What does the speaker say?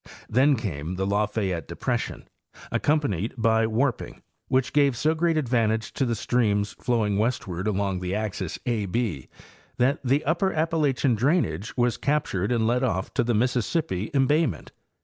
Then came the Lafayette depression, accompanied by warping, which gave so great advantage to the streams flowing westward along the axis A B that the upper Appalachian drainage was captured and led off to the Mississippiembayment.